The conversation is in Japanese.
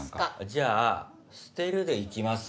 じゃあ「捨てる」で行きます。